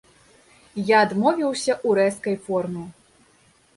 Я адмовіўся ў рэзкай форме.